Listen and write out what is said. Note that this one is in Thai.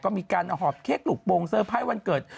ก็มีการหอบเค้กลูกโปรงเซอร์ไพรส์วันเกิด